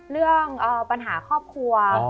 เรื่องปัญหาครอบครัว